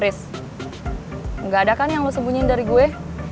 riz nggak ada kan yang lo sembunyiin dari gue